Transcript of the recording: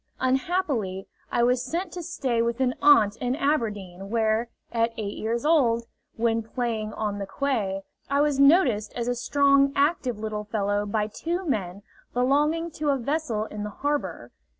Unhappily, I was sent to stay with an aunt at Aberdeen, where, at eight years old, when playing on the quay, I was noticed as a strong, active little fellow by two men belonging to a vessel in the harbor.